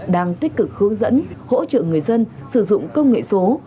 đang tích cực hướng dẫn hỗ trợ người dân sử dụng công nghệ số